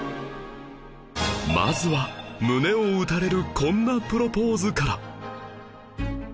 まずは胸を打たれるこんなプロポーズから